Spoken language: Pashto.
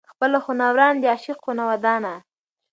ـ خپله خونه ورانه، د عاشق خونه ودانه.